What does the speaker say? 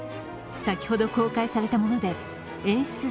先ほど公開されたもので演出